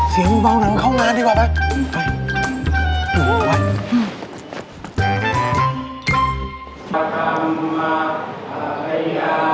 เสียงเว้านังเข้าร้านดีกว่าไป